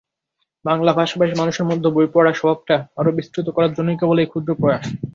বাংলা ভাষাভাষী মানুষের মধ্যে বইপড়া স্বভাবটা আরো বিস্তৃত করার জন্যই কেবল এই ক্ষুদ্র প্রয়াস।